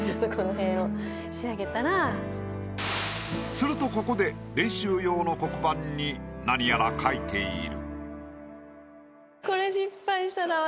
するとここで練習用の黒板に何やら描いている。